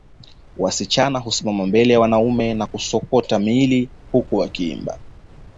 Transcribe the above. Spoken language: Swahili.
Wasichana husimama mbele ya wanaume na kusokota miili huku wakiimba